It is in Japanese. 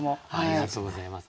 ありがとうございます。